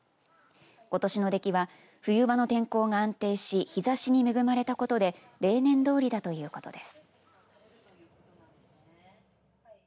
ことしの出来は冬場の天候が安定し日ざしに恵まれたことで例年どおりだということです。